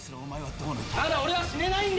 まだ俺は死ねないんだ！